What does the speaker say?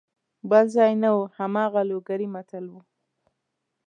بل ځای نه وو هماغه لوګری متل وو.